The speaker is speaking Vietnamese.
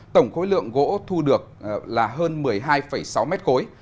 tổng khối lượng gỗ thu được là hơn một mươi hai sáu mét khối